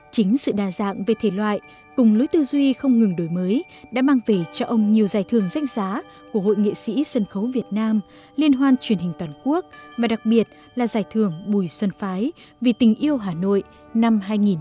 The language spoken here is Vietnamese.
chính sự đa dạng về thể loại cùng lối tư duy không ngừng đổi mới đã mang về cho ông nhiều giải thưởng danh giá của hội nghệ sĩ sân khấu việt nam liên hoan truyền hình toàn quốc và đặc biệt là giải thưởng bùi xuân phái vì tình yêu hà nội năm hai nghìn một mươi chín